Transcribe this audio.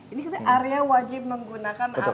ini kira kira area wajib menggunakan apd